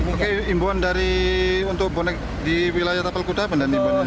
oke imbauan dari untuk bonek di wilayah tapal kuda pendan imbauan dari